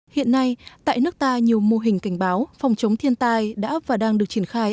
hiện nay tại nước ta nhiều mô hình cảnh báo phòng chống thiên tai đã và đang được triển khai